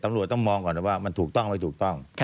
ตำรวจต้องมองก่อนว่ามันถูกต้องไม่ถูกต้อง